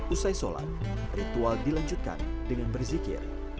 usai sholat ritual dilanjutkan dengan berzikir